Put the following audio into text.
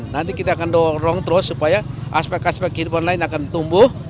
nanti kita akan dorong terus supaya aspek aspek kehidupan lain akan tumbuh